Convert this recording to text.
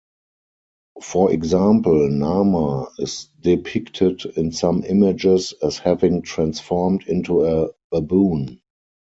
For example, Narmer is depicted in some images as having transformed into a baboon.